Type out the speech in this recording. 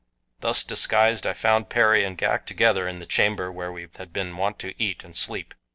Thus disguised I found Perry and Ghak together in the chamber where we had been wont to eat and sleep.